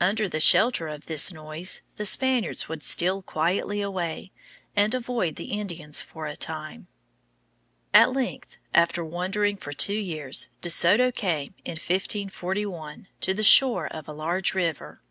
Under shelter of this noise the Spaniards would steal quietly away and avoid the Indians for a time. At length, after wandering for two years, De Soto came, in 1541, to the shore of a large river.